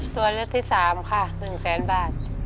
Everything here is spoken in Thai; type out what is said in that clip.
ตัวเลือกที่๓ค่ะ๑แสนบาท